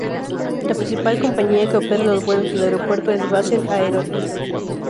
La principal compañía que opera los vuelos del aeropuerto es Basel Aero.